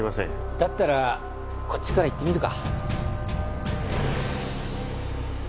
だったらこっちから行ってみるか。